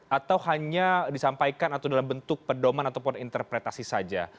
atau hanya disampaikan atau dalam bentuk pedoman ataupun interpretasi saja